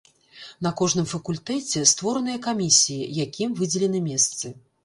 На кожным факультэце створаныя камісіі, якім выдзелены месцы.